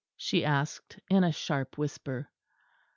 she asked in a sharp whisper.